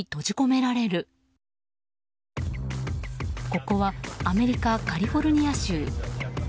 ここはアメリカ・カリフォルニア州。